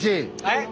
はい？